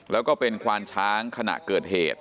แล้วก็เป็นควานช้างขณะเกิดเหตุ